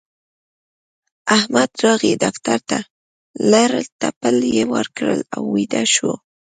احمد راغی دفتر ته؛ لړل تپل يې وکړل او ويده شو.